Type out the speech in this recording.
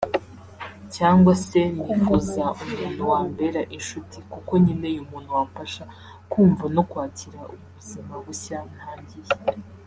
Cyangwa se nifuza umuntu wambera inshuti kuko nkeneye umuntu wamfasha kumva no kwakira ubu buzima bushya ntangiye